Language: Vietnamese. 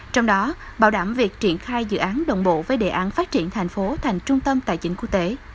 trong đó bảo đảm việc triển khai dự án đồng bộ với đề án phát triển thành phố thành trung tâm tài chính quốc tế